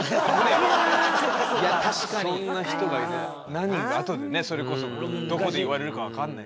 何かあとでねそれこそどこで言われるかわからない。